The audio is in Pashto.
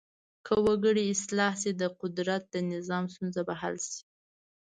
که وګړي اصلاح شي د قدرت د نظام ستونزه به حل شي.